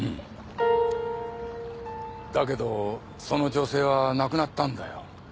だけどその女性は亡くなったんだよ。